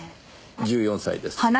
１４歳です。